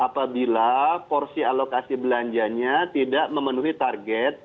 apabila porsi alokasi belanjanya tidak memenuhi target